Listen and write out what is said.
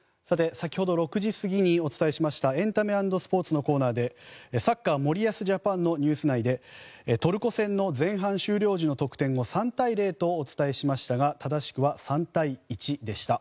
先ほど６時過ぎにお伝えしましたエンタメ＆スポーツのコーナーでサッカー森保ジャパンのニュース内でトルコ戦の前半終了時の得点を３対０とお伝えしましたが正しくは３対１でした。